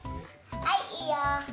はいいいよ。